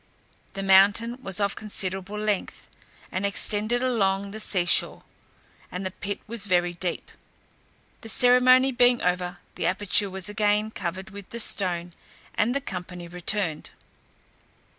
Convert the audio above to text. The mountain was of considerable length, and extended along the sea shore, and the pit was very deep. The ceremony being over, the aperture was again covered with the stone, and the company returned.